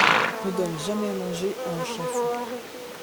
Ne donne jamais à manger à un chien fou.